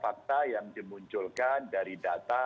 fakta yang dimunculkan dari data